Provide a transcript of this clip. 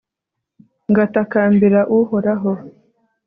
ngatakambira uhoraho